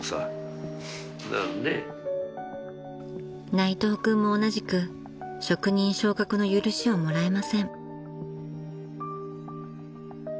［内藤君も同じく職人昇格の許しをもらえません］